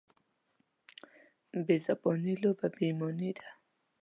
بېزباني لویه بېايماني ده.